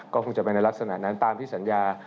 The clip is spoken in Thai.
ก็คงจะไปในลักษณะนั้นตามที่สัญญา